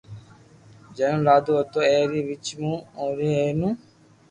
جنم لآدو ھتو اي ري وجھ مون اوري ايتو